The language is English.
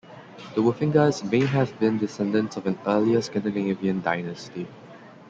The Wuffingas may have been descendants of an earlier Scandinavian dynasty.